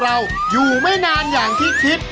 เราอยู่ไม่นานอย่างที่คิด